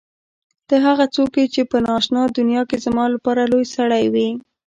ته هغه څوک چې په نا آشنا دنیا کې زما لپاره لوى سړى وې.